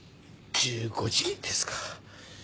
１５時ですか。